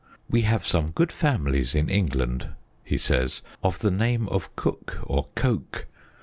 " We have some good families in England," he says, " of the name of Cook or Coke.